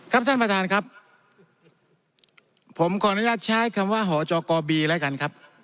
ท่านประธานครับผมขออนุญาตใช้คำว่าหจกบีแล้วกันครับ